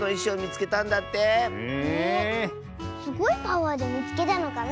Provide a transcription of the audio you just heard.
すごいパワーでみつけたのかな。